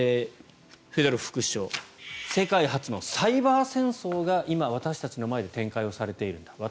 フェドロフ副首相世界初のサイバー戦争が今、私たちの前で展開をされているんだ。